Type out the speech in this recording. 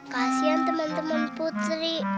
kasian teman teman putri